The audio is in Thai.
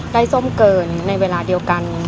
ส้มเกินในเวลาเดียวกัน